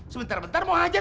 sebentar bentar mau hajar